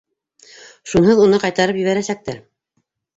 Шунһыҙ уны ҡайтарып ебәрәсәктәр.